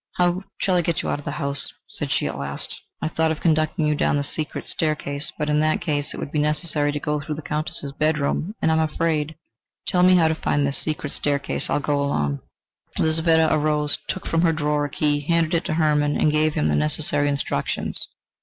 "How shall I get you out of the house?" said she at last. "I thought of conducting you down the secret staircase, but in that case it would be necessary to go through the Countess's bedroom, and I am afraid." "Tell me how to find this secret staircase I will go alone." Lizaveta arose, took from her drawer a key, handed it to Hermann and gave him the necessary instructions.